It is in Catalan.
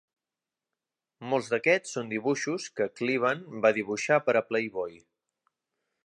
Molts d'aquests són dibuixos que Kliban va dibuixar per a "Playboy".